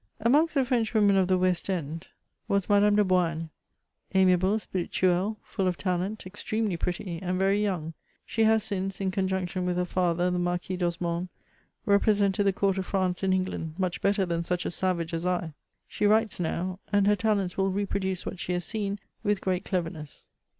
Amongst the Frenchwomen of the West end was Madame CHATEAUBRIAND. 405 de Boignes ; amiable, spirituelle, ^11 of talent, extremely pretty, and very young ; she has since, in conjunction with her father, the Marquis d'Osmond, represented the court of France in Eng land, much better than such a savage as I. She writes now, and her talents will reproduce what she has seen with great cleverness.